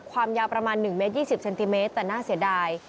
ความยาวประมาณ๑เมตร๒๐เซนติเมตรแต่น่าเสียดาย